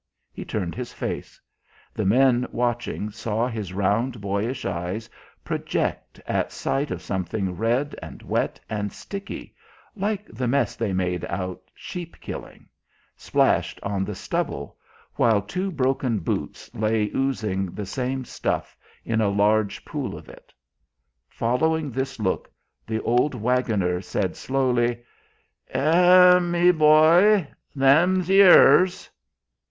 He turned his face; the men watching saw his round, boyish eyes project at sight of something red and wet and sticky (like the mess they made out sheep killing) splashed on the stubble, while two broken boots lay oozing the same stuff in a large pool of it. Following this look, the old waggoner said slowly: "Eh, me boy, they'm youers...."